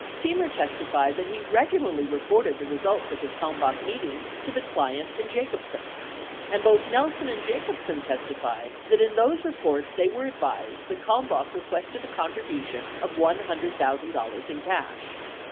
Semer testified that he regularly reported the results of his Kalmbach meetings to the client and Jacobsen, 44 and both Nelson and Jacobsen testified that in those reports they were advised that Kalmbach requested a contribution of $100,000 in cash.